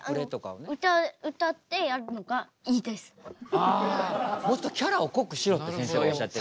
あもっとキャラを濃くしろってせんせいはおっしゃってる。